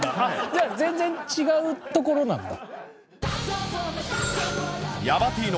じゃあ全然違うところなんだ。